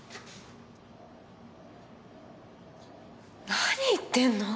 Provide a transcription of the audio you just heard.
何言ってんの！？